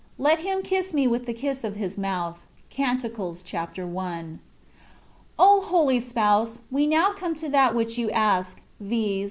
"Let him kiss me with the kiss of his mouth." (Canticles, chap, i.) O HOLY Spouse ! we now come to that which you ask^ yiz.